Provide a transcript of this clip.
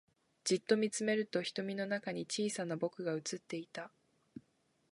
じっと見つめると瞳の中に小さな僕が映っていた